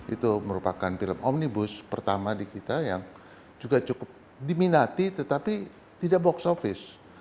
itu merupakan film omnibus pertama di kita yang juga cukup diminati tetapi tidak box office